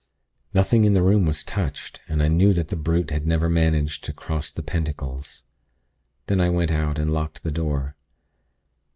"Nothing in the room was touched, and I knew that the brute had never managed to cross the Pentacles. Then I went out, and locked the door.